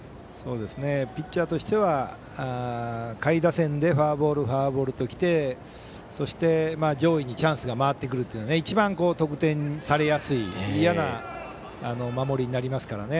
ピッチャーとしては下位打線でフォアボールフォアボールときてそして、上位にチャンスが回ってくるというのが一番、得点されやすい嫌な守りになりますからね。